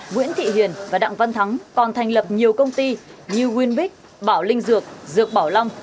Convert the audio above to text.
nguyễn thị hiền và đặng văn thắng còn thành lập nhiều công ty như winbique bảo linh dược dược bảo long